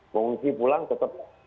pengungsi pulang tetap terpantau